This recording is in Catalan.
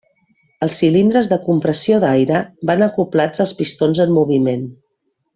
Els cilindres de compressió d'aire van acoblats als pistons en moviment.